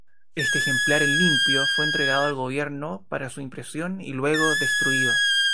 Este ejemplar en limpio fue entregado al Gobierno para su impresión y luego destruido.